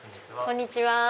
こんにちは。